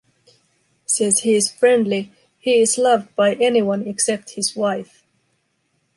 Since he is friendly, he is loved by anyone except his wife.